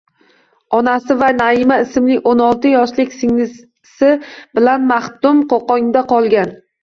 Onasi va Naima ismli o’n olti yoshlik singlisi bilan maxdum Qo’qonda qolgan.